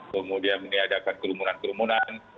kemudian meniadakan kerumunan kerumunan